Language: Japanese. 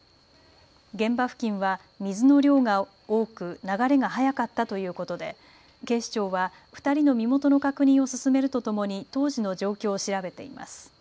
現場付近は水の量が多く流れが速かったということで警視庁は２人の身元の確認を進めるとともに当時の状況を調べています。